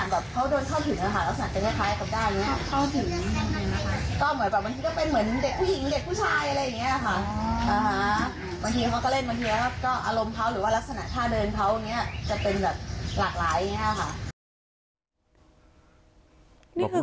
นี่คือคำตอบจากแม่